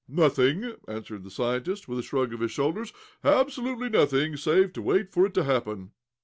"Nothing," answered the scientist, with a shrug of his shoulders. "Absolutely nothing, save to wait for it to happen."